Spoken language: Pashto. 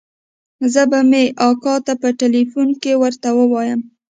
زه به مې اکا ته په ټېلفون کښې ورته ووايم.